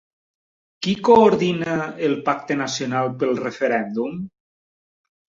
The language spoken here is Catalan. Qui coordina el Pacte Nacional pel Referèndum?